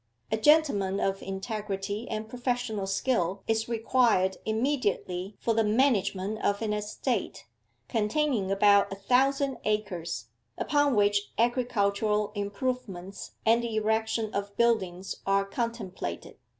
'A gentleman of integrity and professional skill is required immediately for the MANAGEMENT of an ESTATE, containing about 1000 acres, upon which agricultural improvements and the erection of buildings are contemplated.